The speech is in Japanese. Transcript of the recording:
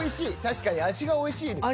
確かに味がおいしい。